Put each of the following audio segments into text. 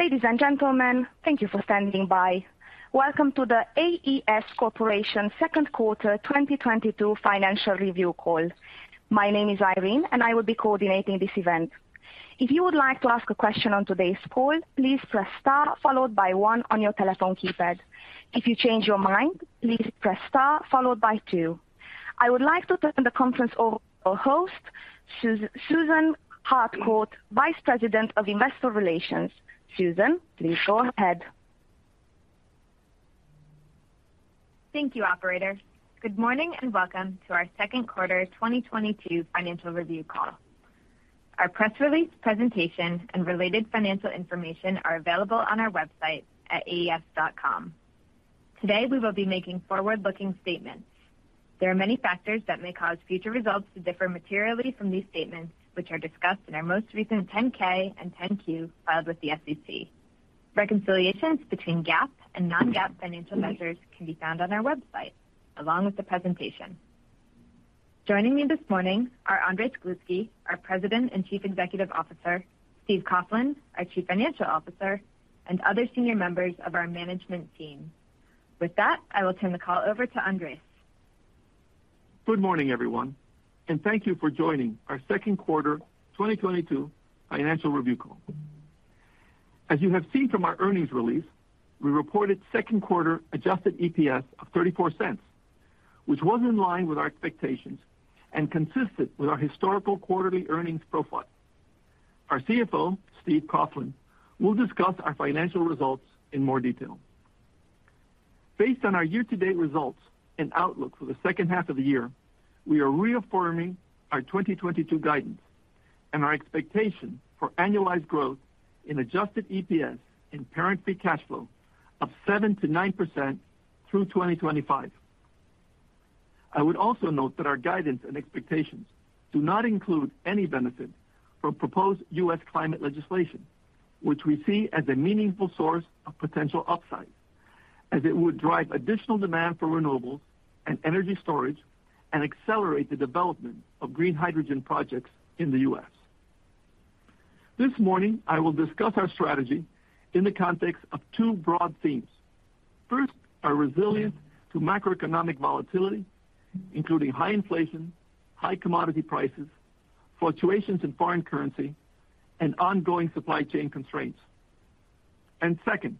Ladies and gentlemen, thank you for standing by. Welcome to the AES Corporation second quarter 2022 financial review call. My name is Irene, and I will be coordinating this event. If you would like to ask a question on today's call, please press star followed by one on your telephone keypad. If you change your mind, please press star followed by two. I would like to turn the conference over to our host, Susan Harcourt, Vice President of Investor Relations. Susan, please go ahead. Thank you, Operator. Good morning, and welcome to our second quarter 2022 financial review call. Our press release presentation and related financial information are available on our website at AES.com. Today, we will be making forward-looking statements. There are many factors that may cause future results to differ materially from these statements, which are discussed in our most recent 10-K and 10-Q filed with the SEC. Reconciliations between GAAP and non-GAAP financial measures can be found on our website, along with the presentation. Joining me this morning are Andrés Gluski, our President and Chief Executive Officer, Steve Coughlin, our Chief Financial Officer, and other senior members of our management team. With that, I will turn the call over to Andrés. Good morning, everyone, and thank you for joining our second quarter 2022 financial review call. As you have seen from our earnings release, we reported second quarter Adjusted EPS of $0.34, which was in line with our expectations and consistent with our historical quarterly earnings profile. Our CFO, Steve Coughlin, will discuss our financial results in more detail. Based on our year-to-date results and outlook for the second half of the year, we are reaffirming our 2022 guidance and our expectation for annualized growth in Adjusted EPS and parent free cash flow of 7%-9% through 2025. I would also note that our guidance and expectations do not include any benefit from proposed U.S. climate legislation, which we see as a meaningful source of potential upside as it would drive additional demand for renewables and energy storage and accelerate the development of green hydrogen projects in the U.S. This morning, I will discuss our strategy in the context of two broad themes. First, our resilience to macroeconomic volatility, including high inflation, high commodity prices, fluctuations in foreign currency, and ongoing supply chain constraints. Second,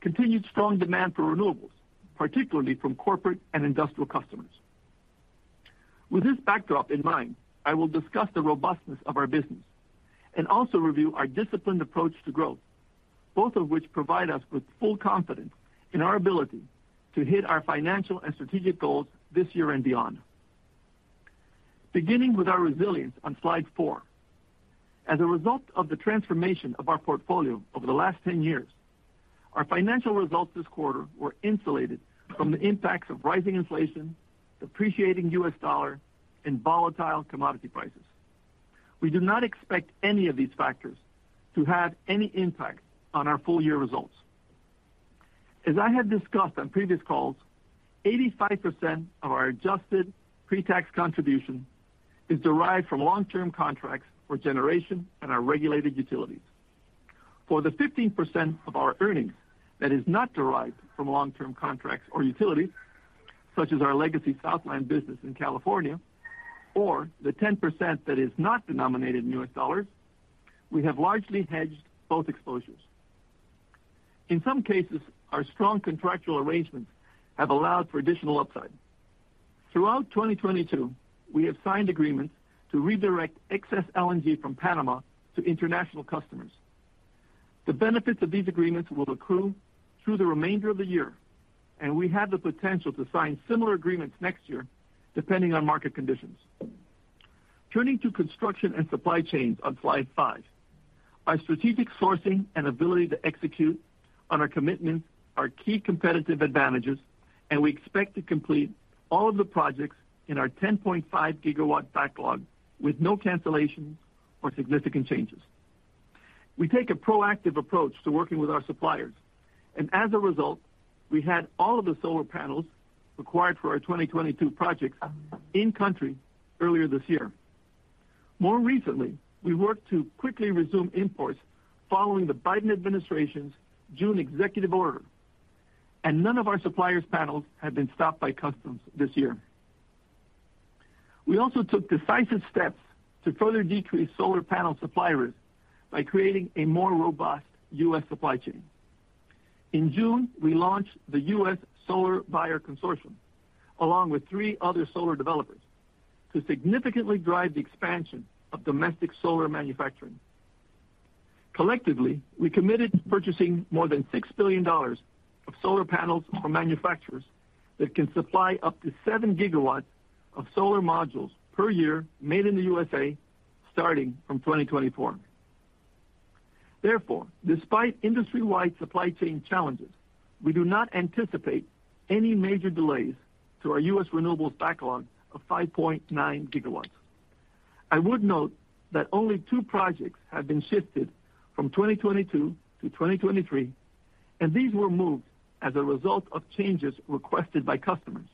continued strong demand for renewables, particularly from corporate and industrial customers. With this backdrop in mind, I will discuss the robustness of our business and also review our disciplined approach to growth, both of which provide us with full confidence in our ability to hit our financial and strategic goals this year and beyond. Beginning with our resilience on Slide 4. As a result of the transformation of our portfolio over the last 10 years, our financial results this quarter were insulated from the impacts of rising inflation, depreciating US dollar, and volatile commodity prices. We do not expect any of these factors to have any impact on our full-year results. As I have discussed on previous calls, 85% of our Adjusted pretax contribution is derived from long-term contracts for generation and our regulated utilities. For the 15% of our earnings that is not derived from long-term contracts or utilities, such as our legacy AES Southland business in California, or the 10% that is not denominated in US dollars, we have largely hedged both exposures. In some cases, our strong contractual arrangements have allowed for additional upside. Throughout 2022, we have signed agreements to redirect excess LNG from Panama to international customers. The benefits of these agreements will accrue through the remainder of the year, and we have the potential to sign similar agreements next year, depending on market conditions. Turning to construction and supply chains on Slide 5. Our strategic sourcing and ability to execute on our commitments are key competitive advantages, and we expect to complete all of the projects in our 10.5 GW backlog with no cancellations or significant changes. We take a proactive approach to working with our suppliers, and as a result, we had all of the solar panels required for our 2022 projects in country earlier this year. More recently, we worked to quickly resume imports following the Biden administration's June executive order, and none of our suppliers' panels have been stopped by customs this year. We also took decisive steps to further decrease solar panel supply risk by creating a more robust U.S. supply chain. In June, we launched the U.S. Solar Buyer Consortium, along with three other solar developers, to significantly drive the expansion of domestic solar manufacturing. Collectively, we committed to purchasing more than $6 billion of solar panels from manufacturers that can supply up to 7 GW of solar modules per year made in the U.S.A. starting from 2024. Therefore, despite industry-wide supply chain challenges, we do not anticipate any major delays to our U.S. renewables backlog of 5.9 GW. I would note that only two projects have been shifted from 2022 to 2023, and these were moved as a result of changes requested by customers.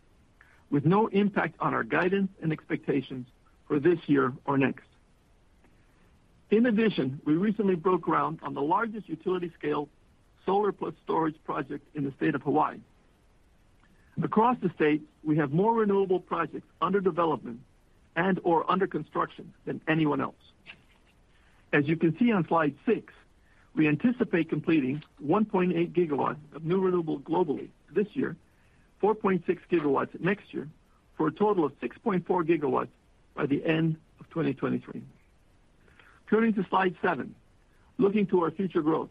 With no impact on our guidance and expectations for this year or next. In addition, we recently broke ground on the largest utility-scale solar plus storage project in the state of Hawaii. Across the state, we have more renewable projects under development and or under construction than anyone else. As you can see on Slide 6, we anticipate completing 1.8 GW of new renewable globally this year, 4.6 GW next year, for a total of 6.4 GW by the end of 2023. Turning to Slide 7. Looking to our future growth,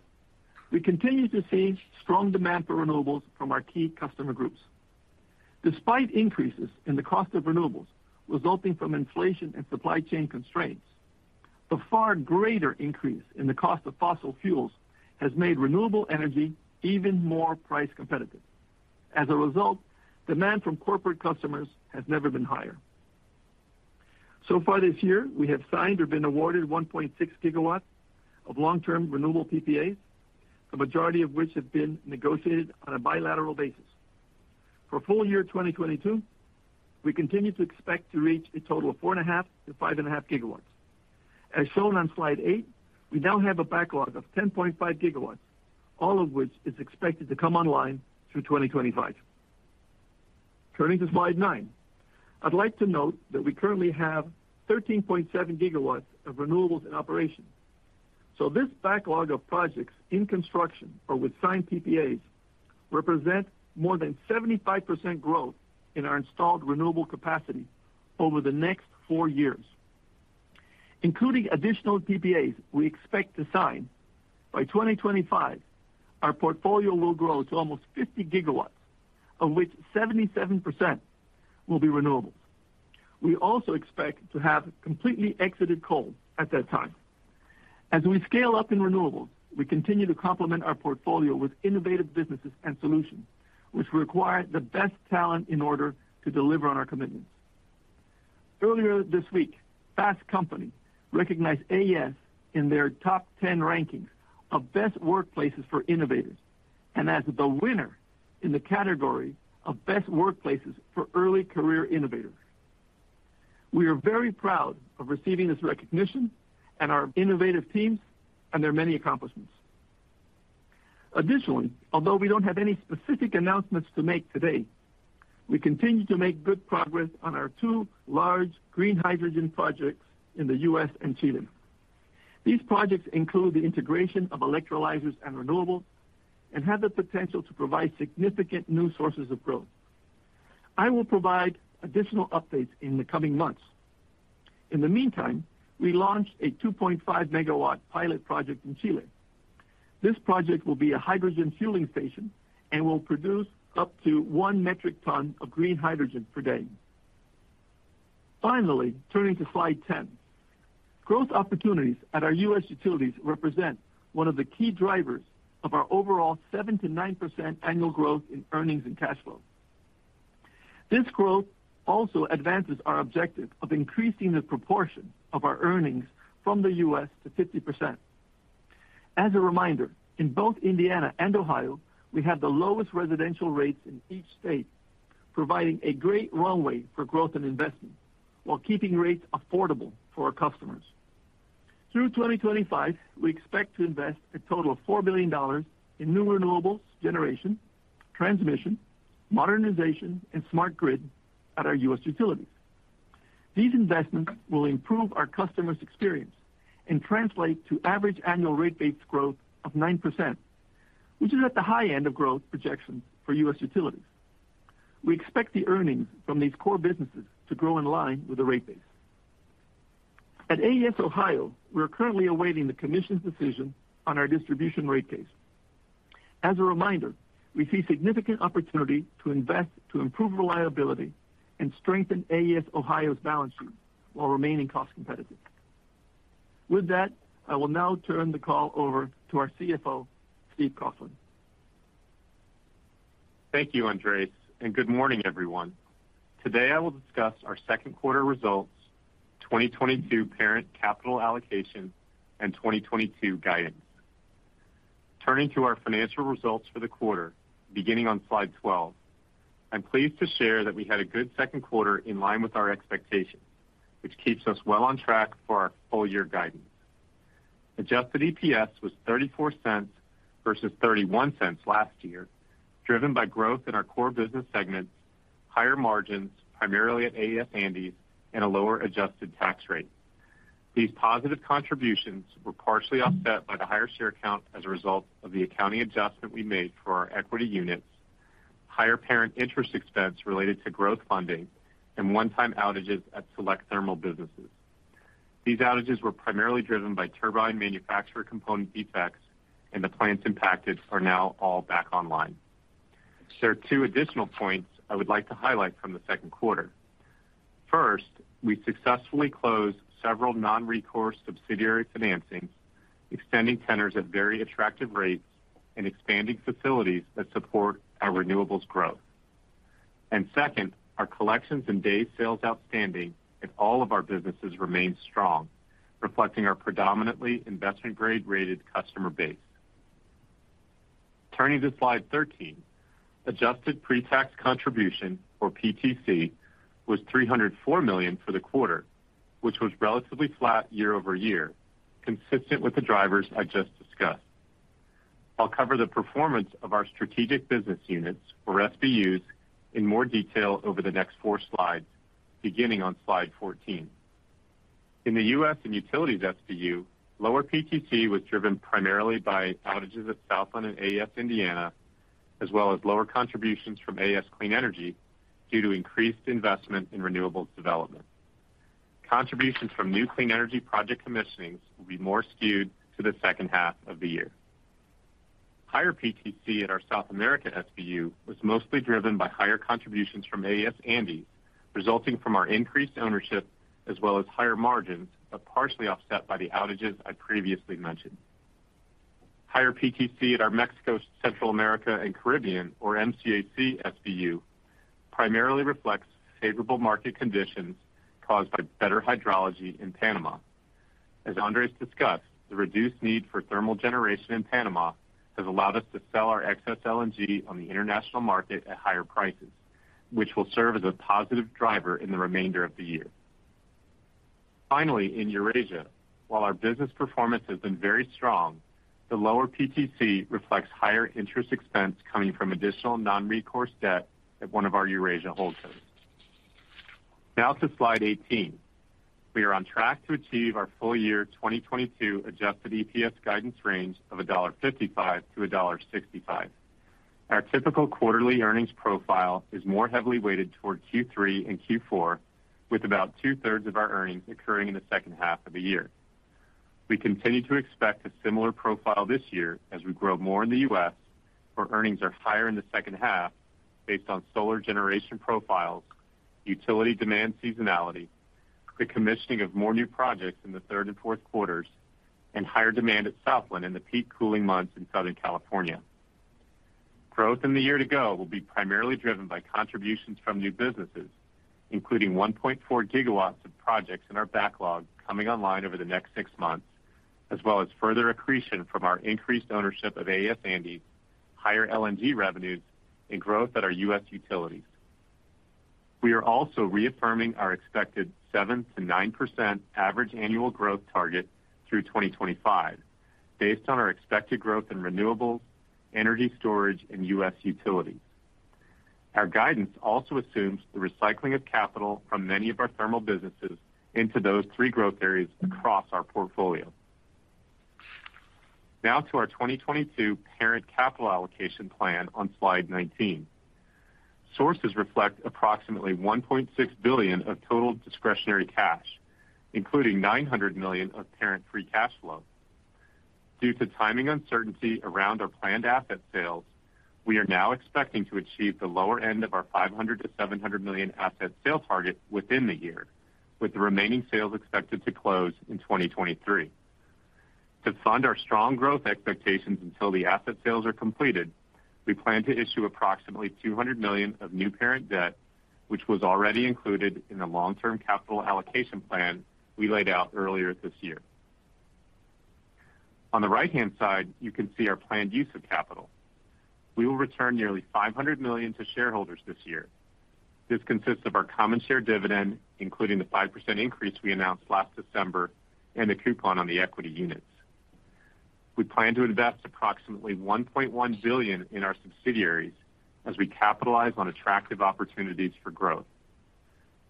we continue to see strong demand for renewables from our key customer groups. Despite increases in the cost of renewables resulting from inflation and supply chain constraints, the far greater increase in the cost of fossil fuels has made renewable energy even more price competitive. As a result, demand from corporate customers has never been higher. Far this year, we have signed or been awarded 1.6 GW of long-term renewable PPAs, the majority of which have been negotiated on a bilateral basis. For full year 2022, we continue to expect to reach a total of 4.5 GW-5.5 GW. As shown on Slide 8, we now have a backlog of 10.5 GW, all of which is expected to come online through 2025. Turning to Slide 9. I'd like to note that we currently have 13.7 GW of renewables in operation. This backlog of projects in construction or with signed PPAs represent more than 75% growth in our installed renewable capacity over the next four years. Including additional PPAs we expect to sign, by 2025, our portfolio will grow to almost 50 GW, of which 77% will be renewables. We also expect to have completely exited coal at that time. As we scale up in renewables, we continue to complement our portfolio with innovative businesses and solutions, which require the best talent in order to deliver on our commitments. Earlier this week, Fast Company recognized AES in their top 10 rankings of Best Workplaces for Innovators, and as the winner in the category of Best Workplaces for Early Career Innovators. We are very proud of receiving this recognition and our innovative teams and their many accomplishments. Additionally, although we don't have any specific announcements to make today, we continue to make good progress on our two large green hydrogen projects in the U.S. and Chile. These projects include the integration of electrolyzers and renewables and have the potential to provide significant new sources of growth. I will provide additional updates in the coming months. In the meantime, we launched a 2.5 MW pilot project in Chile. This project will be a hydrogen fueling station and will produce up to 1 metric ton of green hydrogen per day. Finally, turning to Slide 10. Growth opportunities at our U.S. utilities represent one of the key drivers of our overall 7%-9% annual growth in earnings and cash flow. This growth also advances our objective of increasing the proportion of our earnings from the U.S. to 50%. As a reminder, in both Indiana and Ohio, we have the lowest residential rates in each state, providing a great runway for growth and investment while keeping rates affordable for our customers. Through 2025, we expect to invest a total of $4 billion in new renewables generation, transmission, modernization, and smart grid at our U.S. utilities. These investments will improve our customers' experience and translate to average annual rate base growth of 9%, which is at the high end of growth projections for U.S. utilities. We expect the earnings from these core businesses to grow in line with the rate base. At AES Ohio, we are currently awaiting the commission's decision on our distribution rate case. As a reminder, we see significant opportunity to invest to improve reliability and strengthen AES Ohio's balance sheet while remaining cost competitive. With that, I will now turn the call over to our CFO, Steve Coughlin. Thank you, Andrés, and Good morning, everyone. Today, I will discuss our second quarter results, 2022 parent capital allocation, and 2022 guidance. Turning to our financial results for the quarter, beginning on Slide 12. I'm pleased to share that we had a good second quarter in line with our expectations, which keeps us well on track for our full-year guidance. Adjusted EPS was $0.34 versus $0.31 last year, driven by growth in our core business segments, higher margins primarily at AES Andes, and a lower Adjusted Tax Rate. These positive contributions were partially offset by the higher share count as a result of the accounting adjustment we made for our equity units, higher parent interest expense related to growth funding, and one-time outages at select thermal businesses. These outages were primarily driven by turbine manufacturer component defects, and the plants impacted are now all back online. There are two additional points I would like to highlight from the second quarter. First, we successfully closed several non-recourse subsidiary financings, extending tenors at very attractive rates and expanding facilities that support our renewables growth. And second, our collections and days sales outstanding in all of our businesses remain strong, reflecting our predominantly investment-grade rated customer base. Turning to Slide 13. Adjusted pretax contribution or PTC was $304 million for the quarter, which was relatively flat year-over-year, consistent with the drivers I just discussed. I'll cover the performance of our strategic business units or SBUs in more detail over the next four slides, beginning on Slide 14. In the US and utilities SBU, lower PTC was driven primarily by outages at AES Southland and AES Indiana, as well as lower contributions from AES Clean Energy due to increased investment in renewables development. Contributions from new clean energy project commissionings will be more skewed to the second half of the year. Higher PTC at our South America SBU was mostly driven by higher contributions from AES Andes, resulting from our increased ownership as well as higher margins, but partially offset by the outages I previously mentioned. Higher PTC at our Mexico, Central America, and Caribbean, or MCAC SBU, primarily reflects favorable market conditions caused by better hydrology in Panama. As Andrés discussed, the reduced need for thermal generation in Panama has allowed us to sell our excess LNG on the international market at higher prices, which will serve as a positive driver in the remainder of the year. Finally, in Eurasia, while our business performance has been very strong, the lower PTC reflects higher interest expense coming from additional non-recourse debt at one of our Eurasia holdcos. Now to Slide 18. We are on track to achieve our full-year 2022 Adjusted EPS guidance range of $0.55-$0.65. Our typical quarterly earnings profile is more heavily weighted toward Q3 and Q4, with about two-thirds of our earnings occurring in the second half of the year. We continue to expect a similar profile this year as we grow more in the U.S., where earnings are higher in the second half based on solar generation profiles, utility demand seasonality, the commissioning of more new projects in the third and fourth quarters, and higher demand at Southland in the peak cooling months in Southern California. Growth in the year to go will be primarily driven by contributions from new businesses, including 1.4 GW of projects in our backlog coming online over the next six months, as well as further accretion from our increased ownership of AES Andes, higher LNG revenues, and growth at our US utilities. We are also reaffirming our expected 7%-9% average annual growth target through 2025 based on our expected growth in renewables, energy storage, and US utilities. Our guidance also assumes the recycling of capital from many of our thermal businesses into those three growth areas across our portfolio. Now to our 2022 parent capital allocation plan on Slide 19. Sources reflect approximately $1.6 billion of total discretionary cash, including $900 million of parent free cash flow. Due to timing uncertainty around our planned asset sales, we are now expecting to achieve the lower end of our $500 million-$700 million asset sale target within the year, with the remaining sales expected to close in 2023. To fund our strong growth expectations until the asset sales are completed, we plan to issue approximately $200 million of new parent debt, which was already included in the long-term capital allocation plan we laid out earlier this year. On the right-hand side, you can see our planned use of capital. We will return nearly $500 million to shareholders this year. This consists of our common share dividend, including the 5% increase we announced last December and a coupon on the equity units. We plan to invest approximately $1.1 billion in our subsidiaries as we capitalize on attractive opportunities for growth.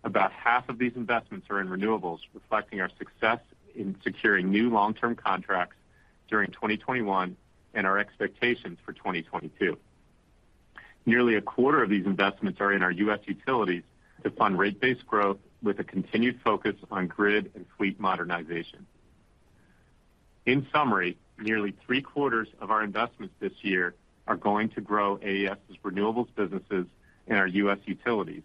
About half of these investments are in renewables, reflecting our success in securing new long-term contracts during 2021 and our expectations for 2022. Nearly a quarter of these investments are in our U.S. utilities to fund rate-based growth with a continued focus on grid and fleet modernization. In summary, nearly three-quarters of our investments this year are going to grow AES's renewables businesses and our U.S. utilities,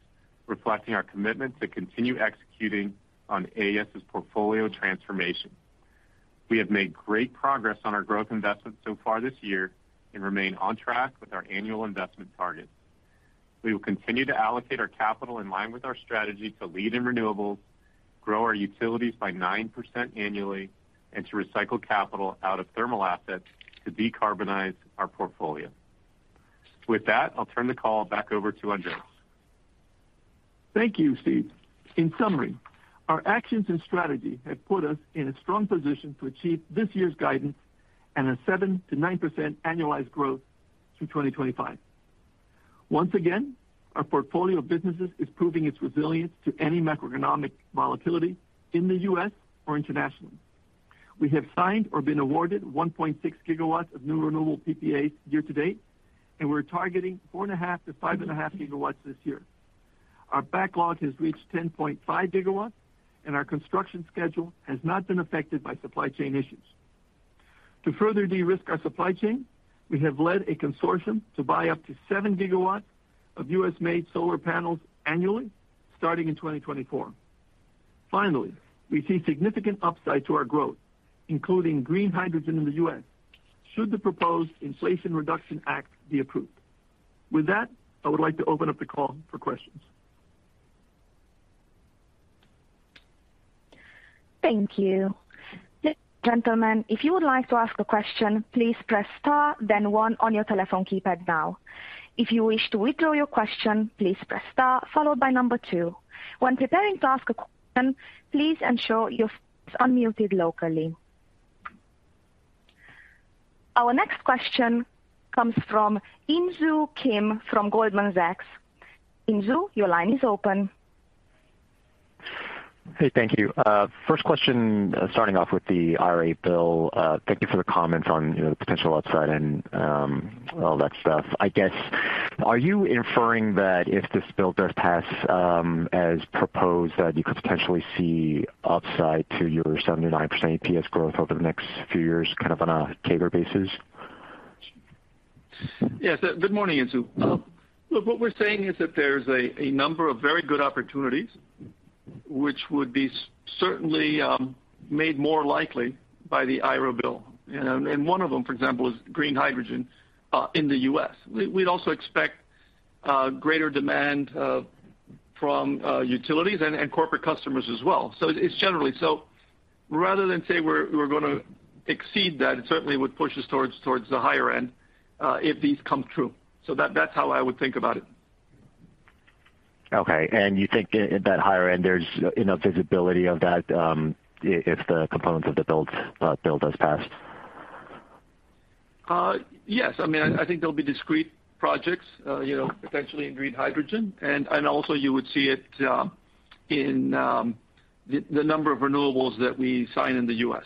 reflecting our commitment to continue executing on AES's portfolio transformation. We have made great progress on our growth investments so far this year and remain on track with our annual investment targets. We will continue to allocate our capital in line with our strategy to lead in renewables, grow our utilities by 9% annually, and to recycle capital out of thermal assets to decarbonize our portfolio. With that, I'll turn the call back over to Andrés. Thank you, Steve. In summary, our actions and strategy have put us in a strong position to achieve this year's guidance and a 7%-9% annualized growth through 2025. Once again, our portfolio of businesses is proving its resilience to any macroeconomic volatility in the U.S. or internationally. We have signed or been awarded 1.6 GW of new renewable PPAs year to date, and we're targeting 4.5 GW-5.5 GW this year. Our backlog has reached 10.5 GW, and our construction schedule has not been affected by supply chain issues. To further de-risk our supply chain, we have led a consortium to buy up to 7 GW of U.S.-made solar panels annually starting in 2024. Finally, we see significant upside to our growth, including green hydrogen in the U.S., should the proposed Inflation Reduction Act be approved. With that, I would like to open up the call for questions. Thank you. Ladies and gentlemen, if you would like to ask a question, please press star then one on your telephone keypad now. If you wish to withdraw your question, please press star followed by number two. When preparing to ask a question, please ensure your phone is unmuted locally. Our next question comes from Insoo Kim from Goldman Sachs. Insoo, your line is open. Hey, Thank you. First question, starting off with the IRA bill. Thank you for the comments on the potential upside and all that stuff. I guess, are you inferring that if this bill does pass, as proposed, that you could potentially see upside to your 79% PS growth over the next few years kind of on a taper basis? Yes. Good morning, Insoo. Look, what we're saying is that there's a number of very good opportunities which would be certainly made more likely by the IRA bill. One of them, for example, is green hydrogen in the U.S. We'd also expect greater demand from utilities and corporate customers as well. It's generally. Rather than say we're gonna exceed that, it certainly would push us towards the higher end if these come true. That, that's how I would think about it. Okay. You think at that higher end, there's enough visibility of that, if the components of the build bill does pass? Yes. I mean, I think there'll be discrete projects, you know, potentially in green hydrogen. Also you would see it in the number of renewables that we sign in the U.S.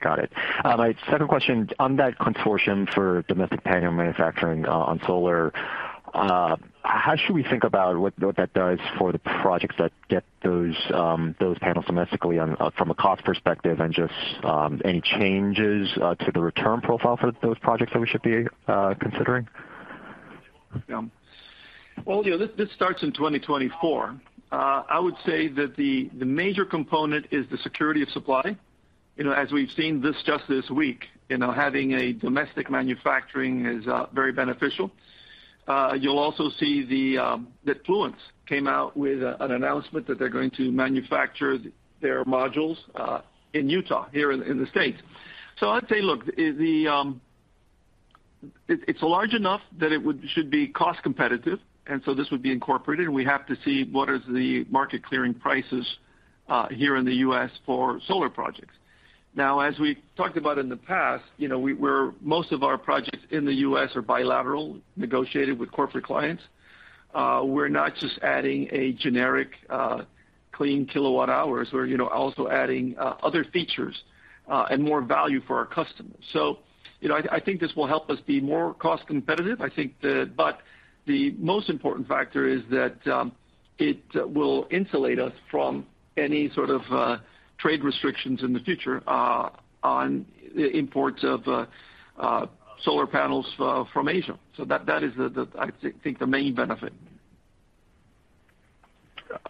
Got it. My second question on that consortium for domestic panel manufacturing on solar, how should we think about what that does for the projects that get those panels domestically from a cost perspective and just any changes to the return profile for those projects that we should be considering? Yeah. Well, you know, this starts in 2024. I would say that the major component is the security of supply. You know, as we've seen just this week, you know, having a domestic manufacturing is very beneficial. You'll also see that Fluence came out with an announcement that they're going to manufacture their modules in Utah here in the States. So I'd say, look, it's large enough that it should be cost competitive, and so this would be incorporated, and we have to see what is the market clearing prices here in the U.S. for solar projects. Now, as we talked about in the past, you know, we're most of our projects in the U.S. are bilateral, negotiated with corporate clients. We're not just adding a generic clean kilowatt hours. We're, you know, also adding other features and more value for our customers. You know, I think this will help us be more cost competitive. The most important factor is that it will insulate us from any sort of trade restrictions in the future on imports of solar panels from Asia. That is, I think, the main benefit.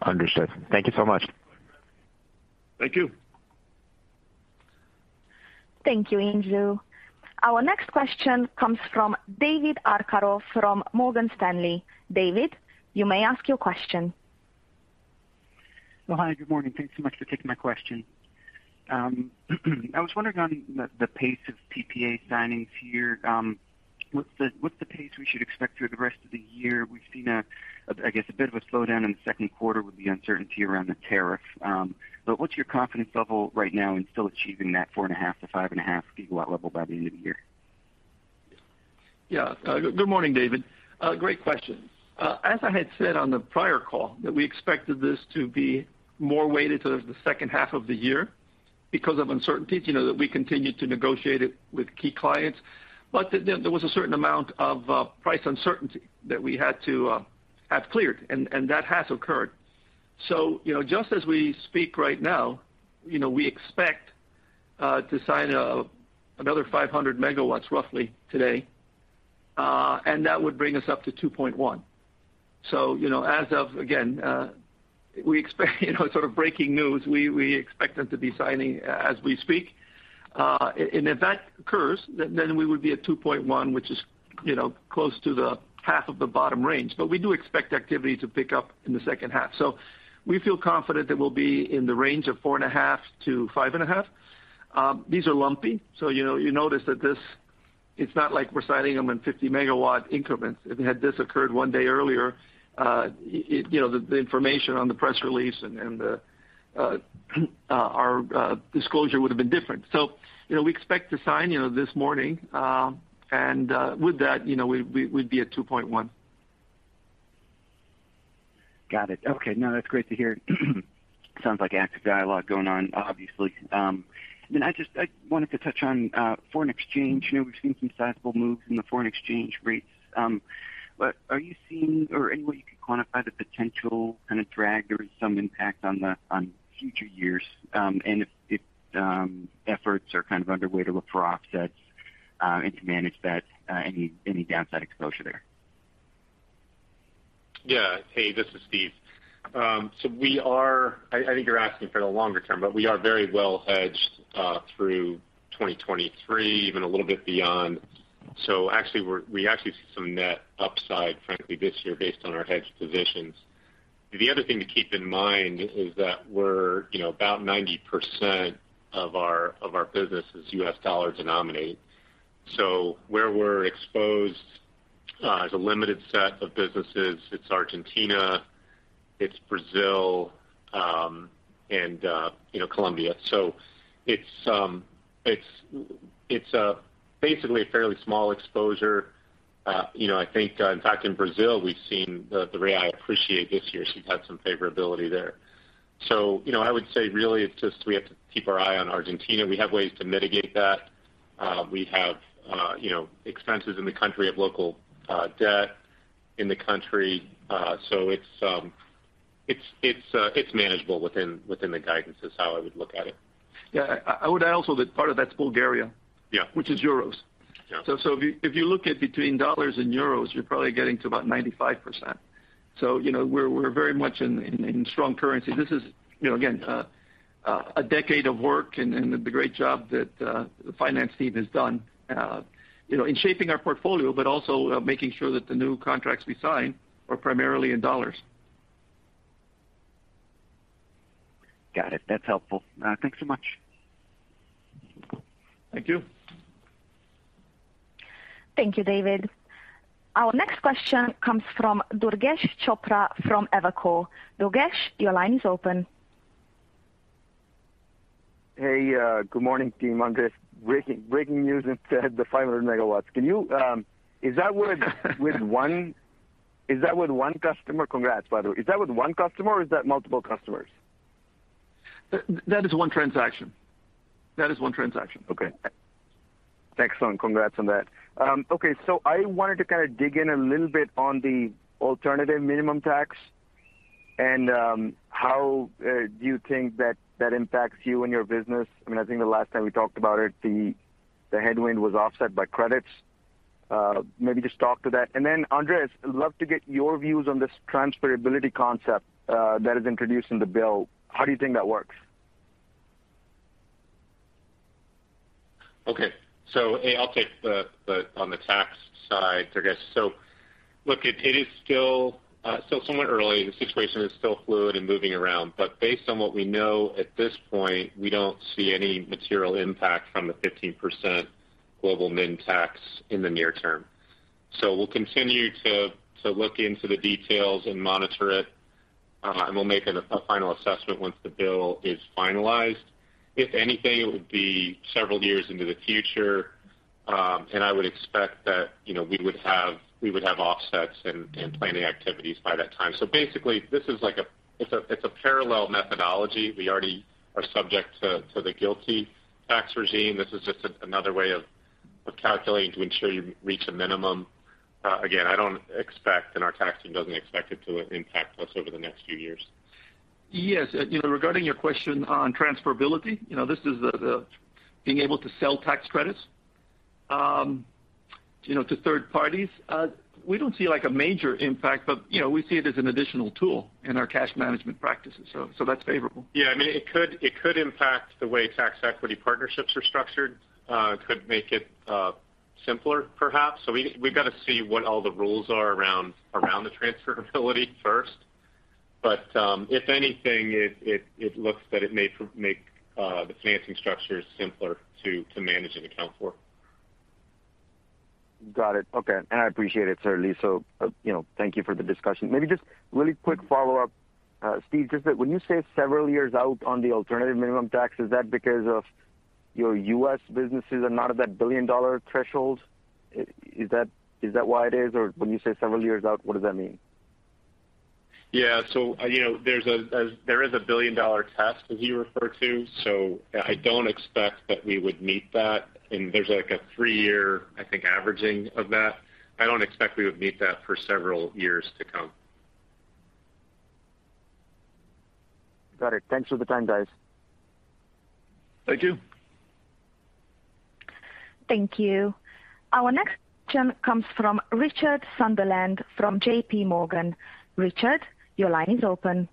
Understood. Thank you so much. Thank you. Thank you, Insoo. Our next question comes from David Arcaro from Morgan Stanley. David, you may ask your question. Oh, Hi. Good morning. Thanks so much for taking my question. I was wondering on the pace of PPA signings here. What's the pace we should expect through the rest of the year? We've seen, I guess, a bit of a slowdown in the second quarter with the uncertainty around the tariff. What's your confidence level right now in still achieving that 4.5 GW-5.5 GW level by the end of the year? Yeah. Good morning, David. Great question. As I had said on the prior call that we expected this to be more weighted towards the second half of the year because of uncertainties, you know, that we continued to negotiate it with key clients. There was a certain amount of price uncertainty that we had to have cleared, and that has occurred. You know, just as we speak right now, you know, we expect to sign another 500 MW roughly today, and that would bring us up to 2.1. You know, as of again, we expect, you know, sort of breaking news, we expect them to be signing as we speak. If that occurs, then we would be at 2.1, which is, you know, close to half of the bottom range. We do expect activity to pick up in the second half. We feel confident that we'll be in the range of 4.5-5.5. These are lumpy. You know, you notice that this, it's not like we're signing them in 50 MW increments. If this had occurred one day earlier, you know, the information on the press release and our disclosure would have been different. You know, we expect to sign this morning, and with that, you know, we'd be at 2.1. Got it. Okay. No, that's great to hear. Sounds like active dialogue going on, obviously. I mean, I just wanted to touch on foreign exchange. You know, we've seen some sizable moves in the foreign exchange rates, but are you seeing or any way you could quantify the potential kind of drag or some impact on future years, and if efforts are kind of underway to look for offsets, and to manage that, any downside exposure there? Hey, this is Steve. I think you're asking for the longer term, but we are very well hedged through 2023, even a little bit beyond. Actually, we see some net upside, frankly, this year based on our hedge positions. The other thing to keep in mind is that we're, you know, about 90% of our business is U.S. dollar denominated. Where we're exposed as a limited set of businesses, it's Argentina, it's Brazil, and, you know, Colombia. It's basically a fairly small exposure. You know, I think in fact, in Brazil, we've seen the real appreciate this year. We've had some favorability there. You know, I would say really it's just we have to keep an eye on Argentina. We have ways to mitigate that. We have, you know, expenses in the country of local debt in the country. It's manageable within the guidance is how I would look at it. Yeah. I would add also that part of that's Bulgaria. Yeah. Which is euros. Yeah. If you look at between dollars and euros, you're probably getting to about 95%. You know, we're very much in strong currency. This is a decade of work and the great job that the finance team has done, you know, in shaping our portfolio, but also making sure that the new contracts we sign are primarily in dollars. Got it. That's helpful. Thanks so much. Thank you. Thank you, David. Our next question comes from Durgesh Chopra from Evercore. Durgesh, your line is open. Hey, Good morning, team. Andrés, breaking news on the 500 MW. Is that with one customer? Congrats, by the way. Is that with one customer or is that multiple customers? That is one transaction. Okay. Excellent. Congrats on that. I wanted to kind of dig in a little bit on the alternative minimum tax and how do you think that impacts you and your business? I mean, I think the last time we talked about it, the headwind was offset by credits. Maybe just talk to that. Then Andrés, I'd love to get your views on this transferability concept that is introduced in the bill. How do you think that works? A, I'll take that on the tax side, Durgesh. Look, it is still somewhat early. The situation is still fluid and moving around. Based on what we know at this point, we don't see any material impact from the 15% global minimum tax in the near term. We'll continue to look into the details and monitor it, and we'll make a final assessment once the bill is finalized. If anything, it would be several years into the future, and I would expect that, you know, we would have offsets and planning activities by that time. Basically, this is like a parallel methodology. We already are subject to the GILTI tax regime. This is just another way of calculating to ensure you reach a minimum. Again, I don't expect, and our tax team doesn't expect it to impact us over the next few years. Yes. You know, regarding your question on transferability, you know, this is the being able to sell tax credits, you know, to third parties. We don't see like a major impact, but, you know, we see it as an additional tool in our cash management practices. That's favorable. Yeah. I mean, it could impact the way tax equity partnerships are structured. Could make it simpler perhaps. We’ve got to see what all the rules are around the transferability first. If anything, it looks that it may make the financing structures simpler to manage and account for. Got it. Okay. I appreciate it, certainly. You know, thank you for the discussion. Maybe just really quick follow-up, Steve, just that when you say several years out on the alternative minimum tax, is that because of your U.S. businesses are not at that billion-dollar threshold? Is that why it is? Or when you say several years out, what does that mean? Yeah. You know, there is a billion-dollar test, as you refer to. I don't expect that we would meet that. There's like a three-year, I think, averaging of that. I don't expect we would meet that for several years to come. Got it. Thanks for the time, guys. Thank you. Thank you. Our next question comes from Richard Sunderland from JP Morgan. Richard, your line is open.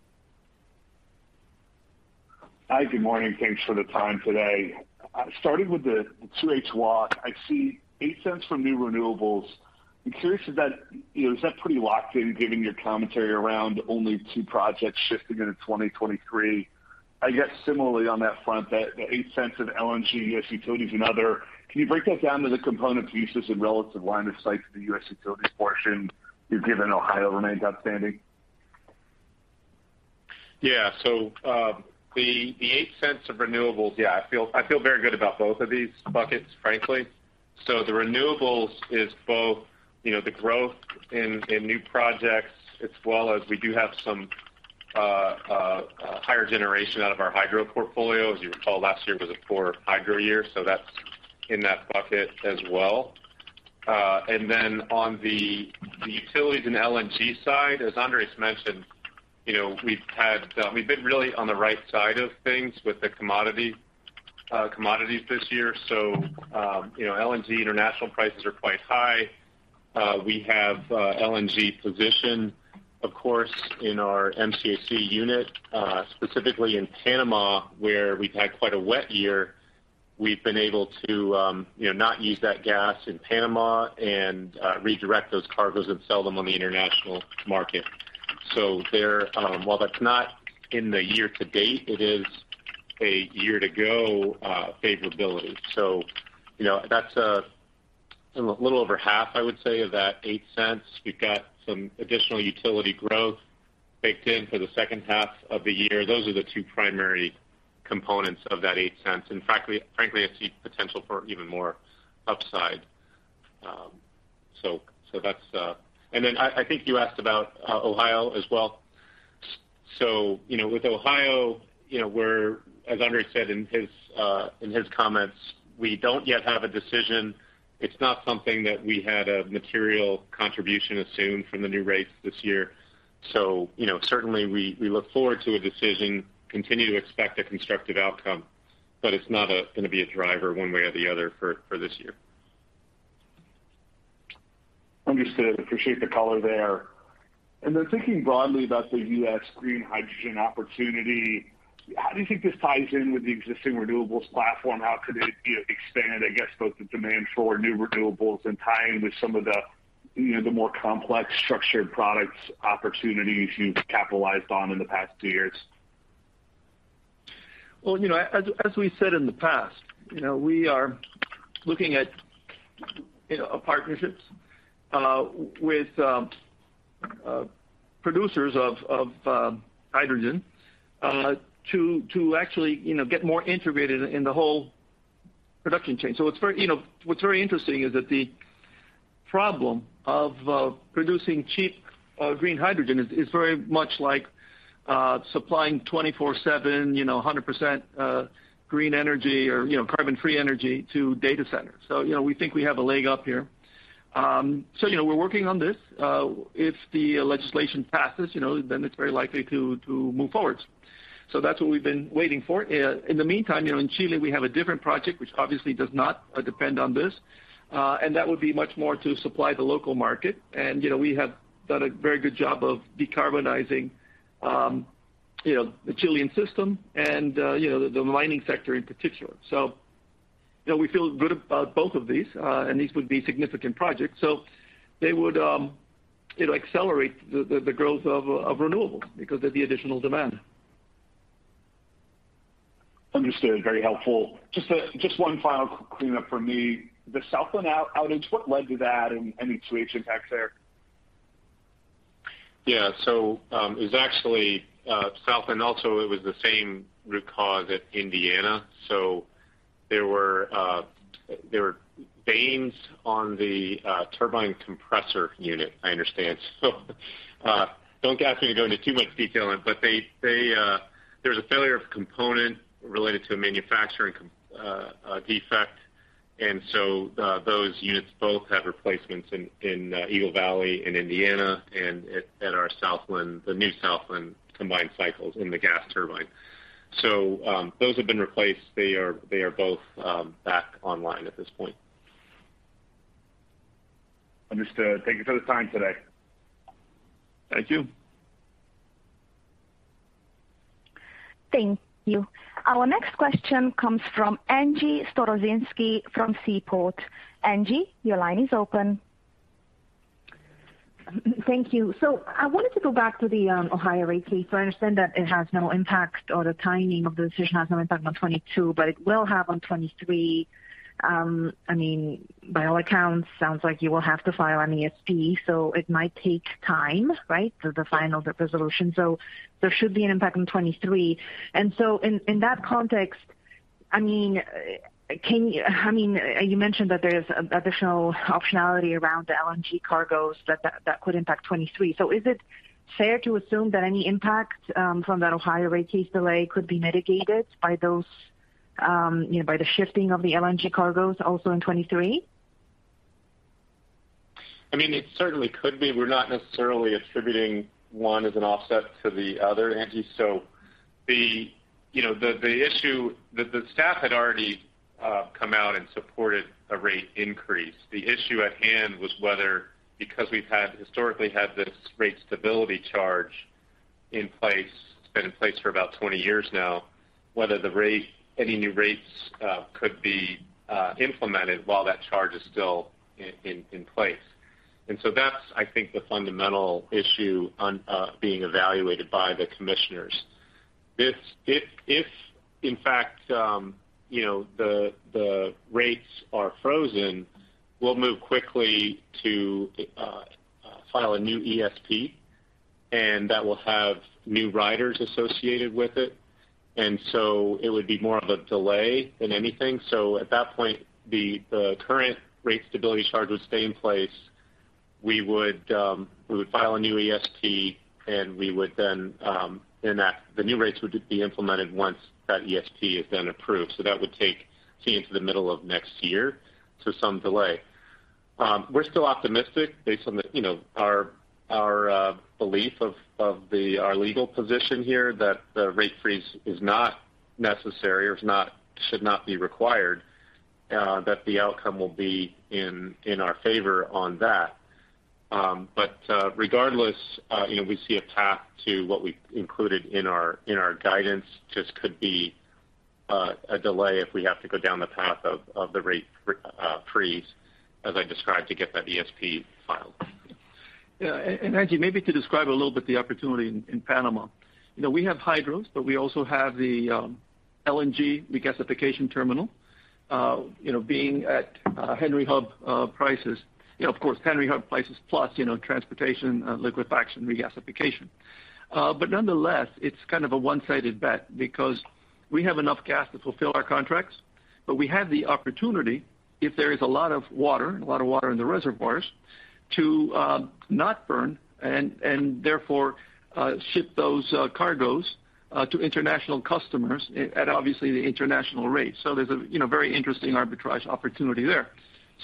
Hi. Good morning. Thanks for the time today. Starting with the 2H walk, I see $0.08 from new renewables. I'm curious if that, you know, is that pretty locked in given your commentary around only two projects shifting into 2023? I guess similarly on that front, the $0.08 of LNG, U.S. utilities and other, can you break that down to the component pieces and relative line of sight to the U.S. utilities portion given Ohio remains outstanding? Yeah. The $0.08 of renewables, yeah, I feel very good about both of these buckets, frankly. The renewables is both, you know, the growth in new projects as well as we do have some higher generation out of our hydro portfolio. As you recall, last year was a poor hydro year, so that's in that bucket as well. And then on the utilities and LNG side, as Andrés mentioned, you know, we've been really on the right side of things with the commodities this year. LNG international prices are quite high. We have LNG position, of course, in our MCAC unit, specifically in Panama, where we've had quite a wet year. We've been able to, you know, not use that gas in Panama and redirect those cargoes and sell them on the international market. While that's not in the year to date, it is a year to go favorability. You know, that's a little over half, I would say, of that $0.08. We've got some additional utility growth baked in for the second half of the year. Those are the two primary components of that $0.08. Frankly, I see potential for even more upside. So that's. I think you asked about Ohio as well. You know, with Ohio, you know, we're as Andrés said in his comments, we don't yet have a decision. It's not something that we had a material contribution assumed from the new rates this year. You know, certainly we look forward to a decision, continue to expect a constructive outcome, but it's not gonna be a driver one way or the other for this year. Understood. Appreciate the color there. Thinking broadly about the U.S. green hydrogen opportunity, how do you think this ties in with the existing renewables platform? How could it, you know, expand, I guess, both the demand for new renewables and tie in with some of the, you know, the more complex structured products opportunities you've capitalized on in the past two years? You know, as we said in the past, you know, we are looking at, you know, partnerships with producers of hydrogen to actually, you know, get more integrated in the whole production chain. What's very interesting is that the problem of producing cheap green hydrogen is very much like supplying 24/7, you know, 100% green energy or, you know, carbon-free energy to data centers. you know, we think we have a leg up here. you know, we're working on this. if the legislation passes, you know, then it's very likely to move forward. That's what we've been waiting for. in the meantime, you know, in Chile we have a different project, which obviously does not depend on this. That would be much more to supply the local market. You know, we have done a very good job of decarbonizing, you know, the Chilean system and, you know, the mining sector in particular. You know, we feel good about both of these, and these would be significant projects. They would, you know, accelerate the growth of renewables because of the additional demand. Understood. Very helpful. Just one final cleanup for me. The Southland outage, what led to that and any additional impacts there? It was actually Southland, also it was the same root cause at Indiana. There were vanes on the turbine compressor unit, I understand. Don't ask me to go into too much detail, but there's a failure of component related to a manufacturing defect. Those units both have replacements in Eagle Valley in Indiana and at our Southland, the new Southland combined cycles in the gas turbine. Those have been replaced. They are both back online at this point. Understood. Thank you for the time today. Thank you. Thank you. Our next question comes from Angie Storozynski from Seaport. Angie, your line is open. Thank you. I wanted to go back to the Ohio rate case. I understand that it has no impact or the timing of the decision has no impact on 2022, but it will have on 2023. I mean, by all accounts, sounds like you will have to file an ESP, so it might take time, right? The final resolution. There should be an impact in 2023. In that context, I mean, you mentioned that there is an additional optionality around the LNG cargoes that could impact 2023. Is it fair to assume that any impact from that Ohio rate case delay could be mitigated by those, you know, by the shifting of the LNG cargoes also in 2023? I mean, it certainly could be. We're not necessarily attributing one as an offset to the other, Angie. You know, the issue the staff had already come out and supported a rate increase. The issue at hand was whether, because we've historically had this rate stability charge in place, it's been in place for about 20 years now, whether any new rates could be implemented while that charge is still in place. That's, I think, the fundamental issue being evaluated by the commissioners. If in fact, you know, the rates are frozen, we'll move quickly to file a new ESP, and that will have new riders associated with it. It would be more of a delay than anything. At that point, the current rate stability charge would stay in place. We would file a new ESP, and then the new rates would be implemented once that ESP is approved. That would take, say, into the middle of next year. Some delay. We're still optimistic based on, you know, our belief in our legal position here that the rate freeze is not Necessary or if not, should not be required, that the outcome will be in our favor on that. Regardless, you know, we see a path to what we included in our guidance. Just could be a delay if we have to go down the path of the rate freeze as I described, to get that ESP filed. Yeah. Angie, maybe to describe a little bit the opportunity in Panama. You know, we have hydros, but we also have the LNG regasification terminal. You know, being at Henry Hub prices. You know, of course, Henry Hub prices plus, you know, transportation, liquefaction, regasification. Nonetheless, it's kind of a one-sided bet because we have enough gas to fulfill our contracts. We have the opportunity, if there is a lot of water in the reservoirs, to not burn and therefore ship those cargos to international customers at obviously the international rate. There's a you know, very interesting arbitrage opportunity there.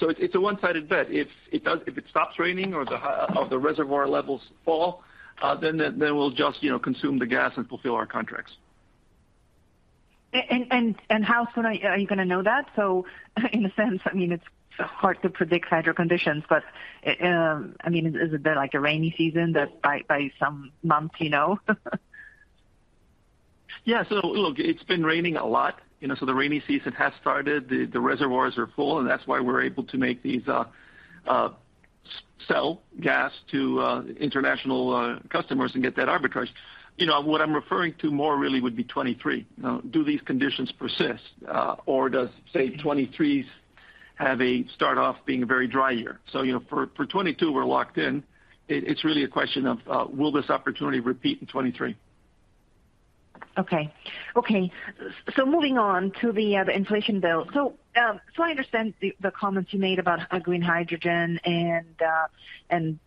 It's a one-sided bet. If it stops raining or the reservoir levels fall, then we'll just, you know, consume the gas and fulfill our contracts. How soon are you gonna know that? In a sense, I mean, it's hard to predict hydro conditions, but, I mean, is there like a rainy season that by some month you know? Yeah. Look, it's been raining a lot, you know, so the rainy season has started. The reservoirs are full, and that's why we're able to make these sell gas to international customers and get that arbitrage. You know, what I'm referring to more really would be 2023. Do these conditions persist, or does, say, 2023 start off being a very dry year? You know, for 2022 we're locked in. It's really a question of will this opportunity repeat in 2023. Okay. Moving on to the inflation bill. I understand the comments you made about green hydrogen and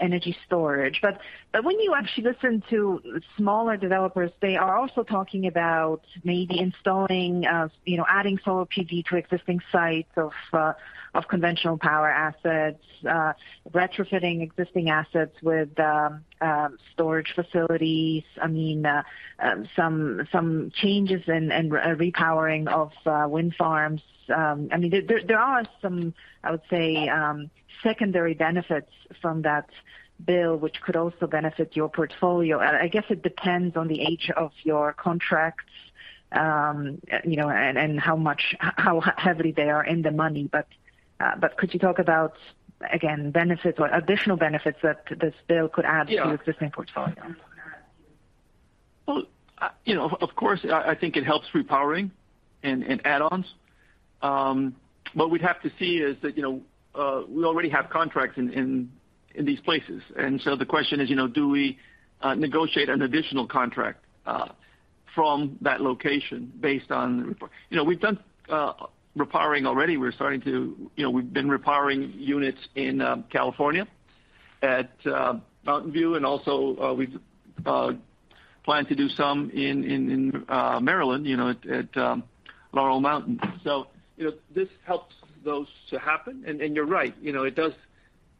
energy storage. When you actually listen to smaller developers, they are also talking about maybe installing, you know, adding solar PV to existing sites of conventional power assets, retrofitting existing assets with storage facilities. I mean, some changes and repowering of wind farms. I mean, there are some, I would say, secondary benefits from that bill which could also benefit your portfolio. I guess it depends on the age of your contracts, you know, and how heavily they are in the money. Could you talk about, again, benefits or additional benefits that this bill could add. Yeah. To existing portfolio? Well, you know, of course, I think it helps repowering and add-ons. What we'd have to see is that, you know, we already have contracts in these places. The question is, you know, do we negotiate an additional contract from that location based on the report? You know, we've done repowering already. You know, we've been repowering units in California at Mountain View, and also, we've planned to do some in Maryland, you know, at Laurel Mountain. You know, this helps those to happen. You're right, you know, it does.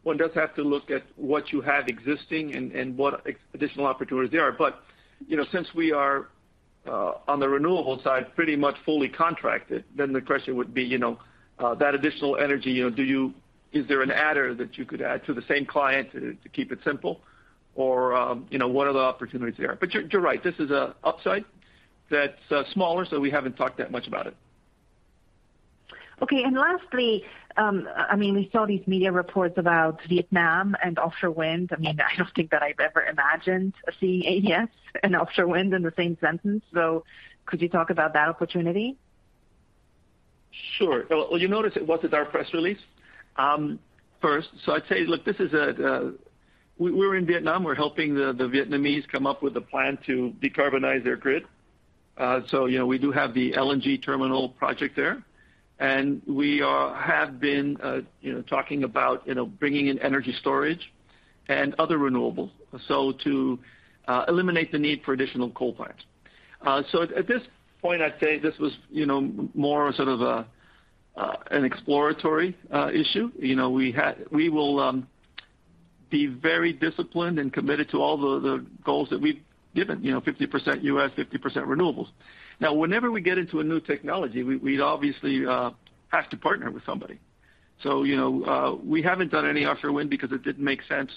One does have to look at what you have existing and what additional opportunities there are. You know, since we are on the renewables side pretty much fully contracted, then the question would be, you know, that additional energy, you know, is there an adder that you could add to the same client to keep it simple? Or, you know, what are the opportunities there? you're right, this is a upside that's smaller, so we haven't talked that much about it. Okay. Lastly, I mean, we saw these media reports about Vietnam and offshore wind. I mean, I don't think that I've ever imagined seeing AES and offshore wind in the same sentence. Could you talk about that opportunity? Sure. Well, you notice it wasn't our press release, first. I'd say, look, we're in Vietnam, we're helping the Vietnamese come up with a plan to decarbonize their grid. You know, we do have the LNG terminal project there, and we have been, you know, talking about, you know, bringing in energy storage and other renewables, so to eliminate the need for additional coal plants. At this point, I'd say this was, you know, more sort of an exploratory issue. You know, we will be very disciplined and committed to all the goals that we've given, you know, 50% U.S., 50% renewables. Now, whenever we get into a new technology, we obviously have to partner with somebody. You know, we haven't done any offshore wind because it didn't make sense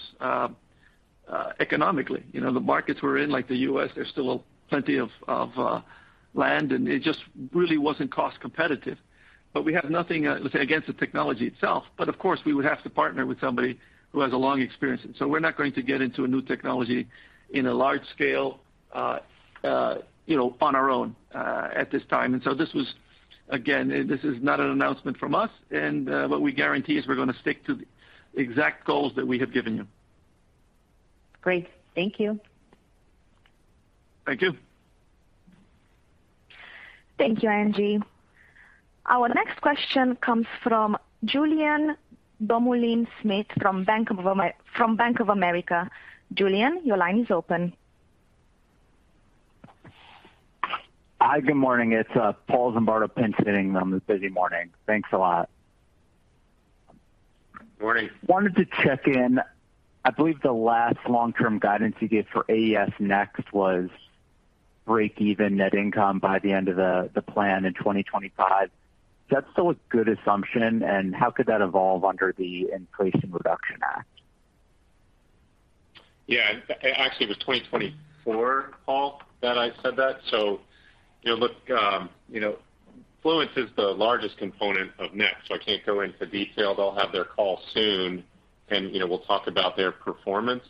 economically. You know, the markets we're in, like the U.S., there's still plenty of land, and it just really wasn't cost competitive. We have nothing, let's say, against the technology itself. Of course, we would have to partner with somebody who has a long experience. We're not going to get into a new technology in a large scale, you know, on our own, at this time. This is not an announcement from us, and what we guarantee is we're gonna stick to the exact goals that we have given you. Great. Thank you. Thank you. Thank you, Angie. Our next question comes from Julien Dumoulin-Smith from Bank of America. Julien, your line is open. Hi, Good morning. It's Paul Zimbardo pinch hitting on this busy morning. Thanks a lot. Morning. Wanted to check in. I believe the last long-term guidance you gave for AES Next was breakeven net income by the end of the plan in 2025. Is that still a good assumption, and how could that evolve under the Inflation Reduction Act? Yeah. Actually, it was 2024, Paul, that I said that. You know, look, you know, Fluence is the largest component of Next, so I can't go into detail. They'll have their call soon, and, you know, we'll talk about their performance.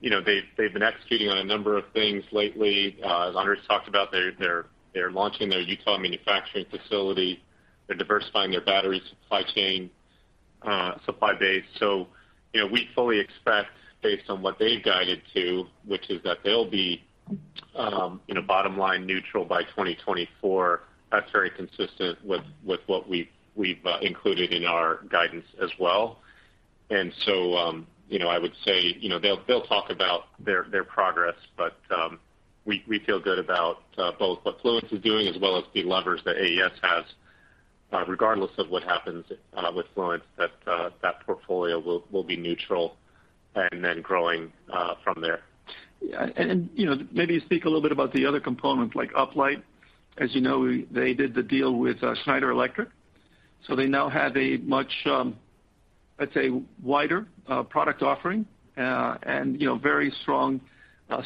You know, they've been executing on a number of things lately. As Andrés talked about, they're launching their Utah manufacturing facility. They're diversifying their battery supply chain, supply base. You know, we fully expect based on what they've guided to, which is that they'll be, you know, bottom line neutral by 2024. That's very consistent with what we've included in our guidance as well. You know, I would say, you know, they'll talk about their progress, but we feel good about both what Fluence is doing as well as the levers that AES has, regardless of what happens with Fluence, that portfolio will be neutral and then growing from there. You know, maybe speak a little bit about the other components like Uplight. As you know, they did the deal with Schneider Electric, so they now have a much, let's say, wider product offering, and you know, very strong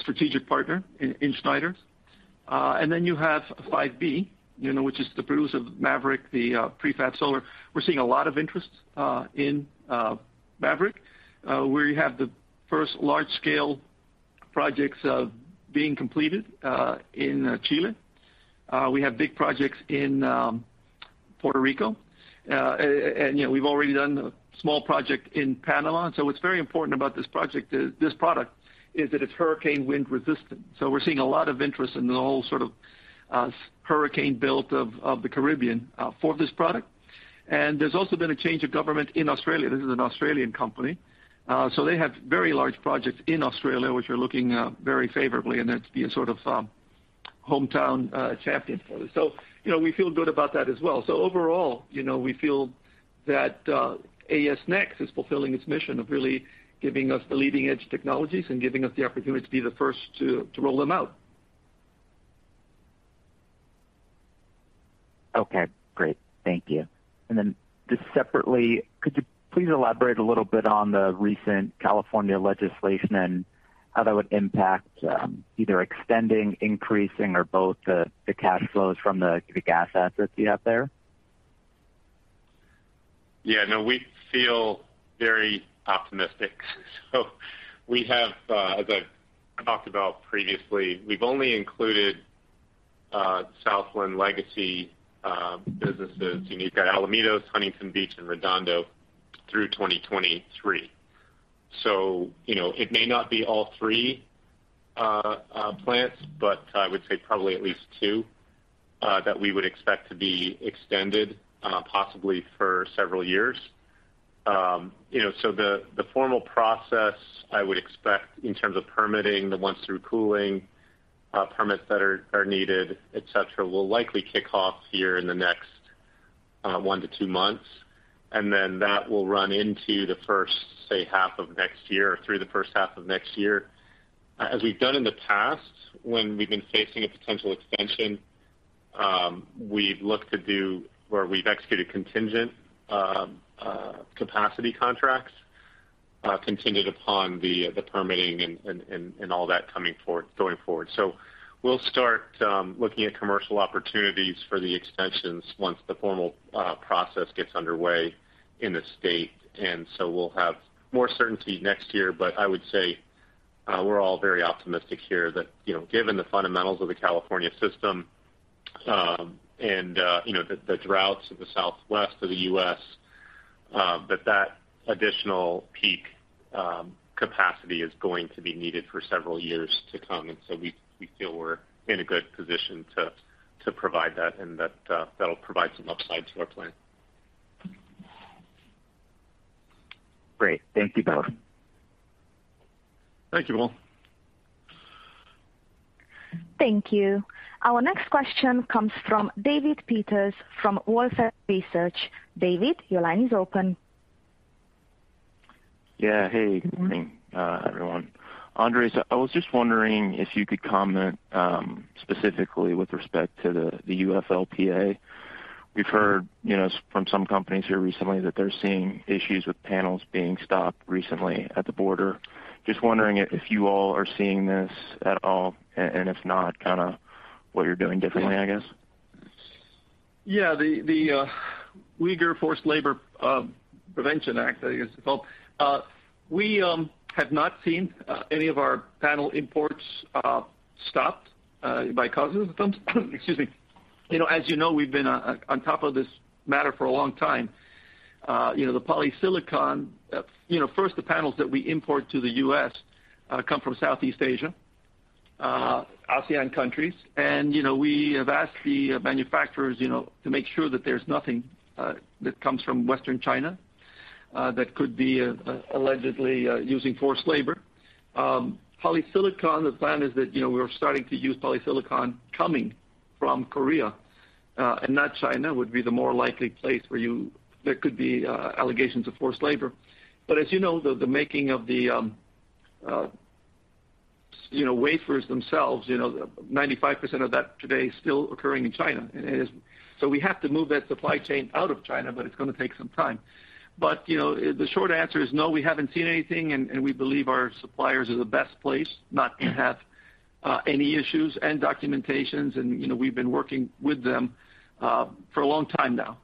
strategic partner in Schneider. Then you have 5B, you know, which is the producer of Maverick, the prefab solar. We're seeing a lot of interest in Maverick, where you have the first large scale projects being completed in Chile. We have big projects in Puerto Rico. And you know, we've already done a small project in Panama. What's very important about this product is that it's hurricane wind resistant. We're seeing a lot of interest in the whole sort of hurricane belt of the Caribbean for this product. There's also been a change of government in Australia. This is an Australian company, so they have very large projects in Australia which are looking very favorably, and that's being sort of hometown champion for this. You know, we feel good about that as well. Overall, you know, we feel that AES Next is fulfilling its mission of really giving us the leading edge technologies and giving us the opportunity to be the first to roll them out. Okay. Great. Thank you. Just separately, could you please elaborate a little bit on the recent California legislation and how that would impact, either extending, increasing or both the cash flows from the gas assets you have there? Yeah. No, we feel very optimistic. We have, as I've talked about previously, we've only included Southland legacy businesses. You know, you've got Alamitos, Huntington Beach and Redondo through 2023. You know, it may not be all three plants, but I would say probably at least 2 that we would expect to be extended, possibly for several years. You know, the formal process I would expect in terms of permitting the once-through cooling permits that are needed, et cetera, will likely kick off here in the next 1-2 months. That will run into the first, say, half of next year or through the first half of next year. As we've done in the past when we've been facing a potential extension, we've looked to do where we've executed contingent capacity contracts, contingent upon the permitting and all that going forward. We'll start looking at commercial opportunities for the extensions once the formal process gets underway in the state. We'll have more certainty next year. I would say we're all very optimistic here that, you know, given the fundamentals of the California system, and, you know, the droughts of the Southwest of the U.S., that additional peak capacity is going to be needed for several years to come. We feel we're in a good position to provide that and that'll provide some upside to our plan. Great. Thank you both. Thank you, Paul. Thank you. Our next question comes from David Peters from Wolfe Research. David, your line is open. Yeah. Hey, Good morning, everyone. Andrés, I was just wondering if you could comment specifically with respect to the UFLPA. We've heard from some companies here recently that they're seeing issues with panels being stopped recently at the border. Just wondering if you all are seeing this at all, and if not, kinda what you're doing differently, I guess. Yeah. The Uyghur Forced Labor Prevention Act, I think it's called. We have not seen any of our panel imports stopped by customs. Excuse me. You know, as you know, we've been on top of this matter for a long time. You know, the polysilicon. You know, first, the panels that we import to the U.S. come from Southeast Asia, ASEAN countries. You know, we have asked the manufacturers, you know, to make sure that there's nothing that comes from western China that could be allegedly using forced labor. Polysilicon, the plan is that, you know, we're starting to use polysilicon coming from Korea, and not China would be the more likely place where there could be allegations of forced labor. As you know, the making of the, you know, wafers themselves, you know, 95% of that today is still occurring in China. It is. We have to move that supply chain out of China, but it's gonna take some time. You know, the short answer is no, we haven't seen anything and we believe our suppliers are the best place, not gonna have any issues and documentation and, you know, we've been working with them for a long time now.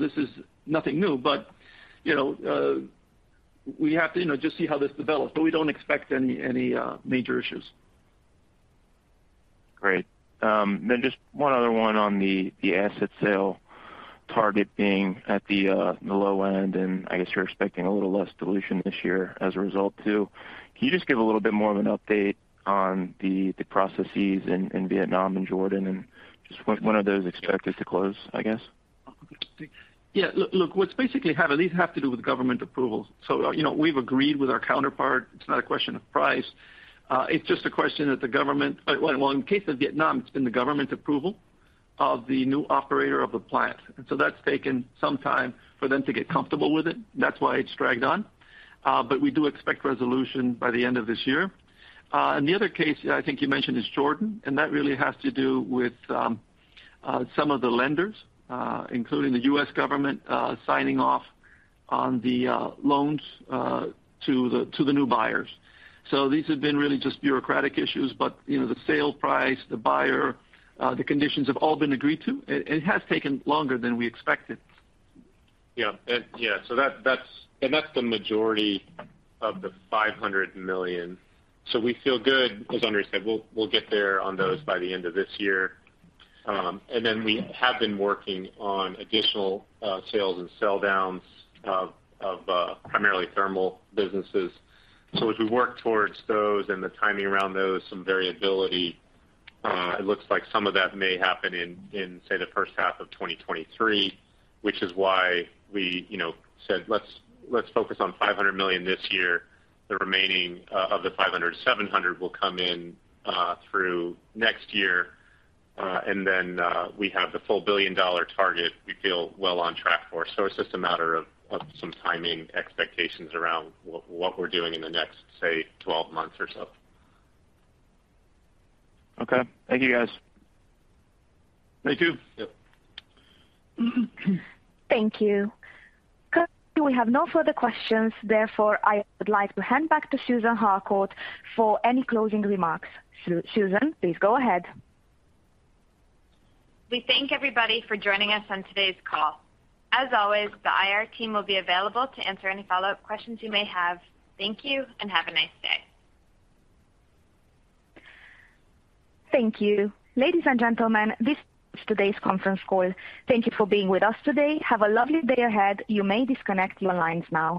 This is nothing new. You know, we have to just see how this develops, but we don't expect any major issues. Great. Then just one other one on the asset sale target being at the low end, and I guess you're expecting a little less dilution this year as a result too. Can you just give a little bit more of an update on the processes in Vietnam and Jordan and just when are those expected to close, I guess? Yeah. Look, these have to do with government approvals. You know, we've agreed with our counterpart, it's not a question of price. It's just a question that the government. Well, in case of Vietnam, it's been the government approval of the new operator of the plant. That's taken some time for them to get comfortable with it, and that's why it's dragged on. We do expect resolution by the end of this year. The other case I think you mentioned is Jordan, and that really has to do with some of the lenders, including the U.S. government, signing off on the loans to the new buyers. These have been really just bureaucratic issues, but, you know, the sale price, the buyer, the conditions have all been agreed to. It has taken longer than we expected. That's the majority of the $500 million. We feel good. As Andrés said, we'll get there on those by the end of this year. We have been working on additional sales and sell downs of primarily thermal businesses. As we work towards those and the timing around those, some variability, it looks like some of that may happen in, say, the first half of 2023, which is why we said, "Let's focus on $500 million this year. The remaining of the $500 million-$700 million will come in through next year." We have the full billion-dollar target we feel well on track for. It's just a matter of some timing expectations around what we're doing in the next, say, 12 months or so. Okay. Thank you, guys. Thank you. Yep. Thank you. We have no further questions. Therefore, I would like to hand back to Susan Harcourt for any closing remarks. Susan, please go ahead. We thank everybody for joining us on today's call. As always, the IR team will be available to answer any follow-up questions you may have. Thank you, and have a nice day. Thank you. Ladies and gentlemen, this is today's conference call. Thank you for being with us today. Have a lovely day ahead. You may disconnect your lines now.